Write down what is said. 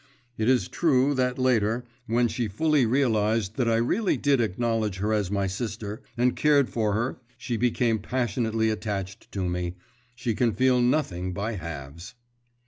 It is true that later, when she fully realised that I really did acknowledge her as my sister, and cared for her, she became passionately attached to me; she can feel nothing by halves.